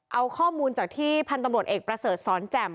เอาข้อมูลจากที่พันธุ์ตำรวจเอกประเสริฐสอนแจ่ม